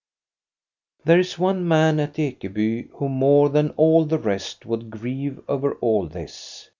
There is one man at Ekeby who, more than all the rest, would grieve over all this.